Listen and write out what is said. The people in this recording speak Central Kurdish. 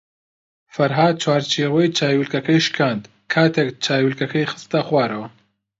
فەرھاد چوارچێوەی چاویلکەکەی شکاند کاتێک چاویلکەکەی خستە خوارەوە.